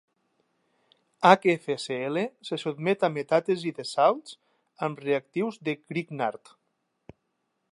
HfCl se sotmet a metàtesi de salts amb reactius de Grignard.